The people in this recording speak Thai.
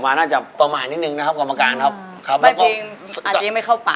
ไม่เพียงอันนี้ไม่เข้าปากไง